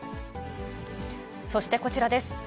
そしてこちらです。